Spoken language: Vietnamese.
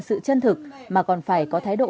sự chân thực mà còn phải có thái độ